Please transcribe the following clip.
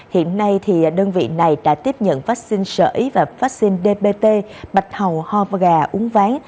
hiện nay đơn vị này đã tiếp nhận vaccine sở ý và vaccine dbt bạch hầu ho và gà uống ván